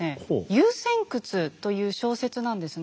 「遊仙窟」という小説なんですね。